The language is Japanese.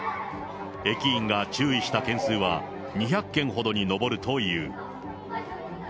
駅員が注意した件数は、２００件ほどに上るという。